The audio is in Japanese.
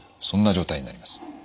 そんな状態になります。